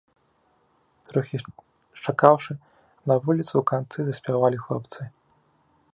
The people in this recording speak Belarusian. Трохі счакаўшы, на вуліцы ў канцы заспявалі хлопцы.